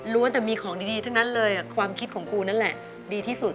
แต่มีของดีทั้งนั้นเลยความคิดของครูนั่นแหละดีที่สุด